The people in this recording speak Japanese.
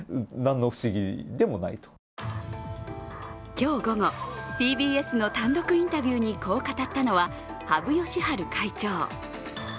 今日午後、ＴＢＳの単独インタビューにこう語ったのは羽生善治会長。